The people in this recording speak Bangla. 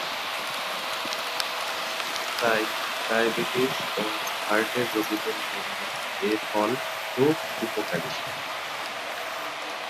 তাই ডায়াবেটিস ও হার্টের রোগীদের জন্য এ ফল খুব উপকারী।